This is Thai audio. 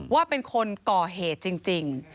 ว่าเป็นคนก่อเหตุจริง